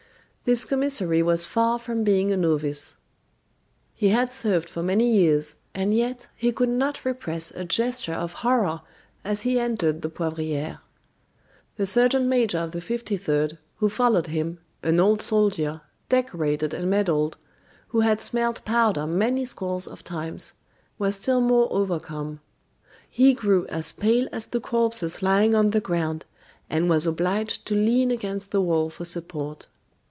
This commissary was far from being a novice. He had served for many years, and yet he could not repress a gesture of horror as he entered the Poivriere. The sergeant major of the 53d, who followed him, an old soldier, decorated and medaled who had smelt powder many scores of times was still more overcome. He grew as pale as the corpses lying on the ground, and was obliged to lean against the wall for support.